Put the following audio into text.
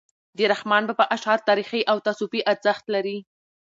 د رحمان بابا اشعار تاریخي او تصوفي ارزښت لري .